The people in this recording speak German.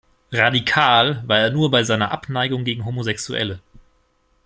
Radikal war er nur bei seiner Abneigung gegen Homosexuelle.